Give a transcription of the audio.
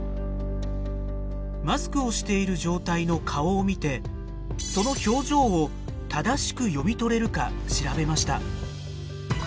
マスクをしている状態の顔を見てその表情を正しく読み取れるか調べました。